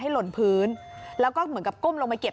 หล่นพื้นแล้วก็เหมือนกับก้มลงไปเก็บ